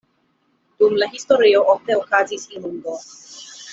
Dum la historio ofte okazis inundo.